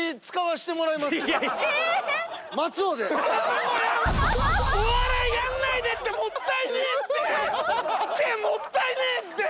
もったいねえって！